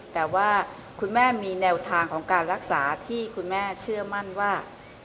แต่ว่าคุณแม่มีแนวทางของการรักษาที่คุณแม่เชื่อมั่นว่า